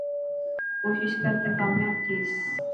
ڪوشش ڪر ته ڪامياب ٿيس.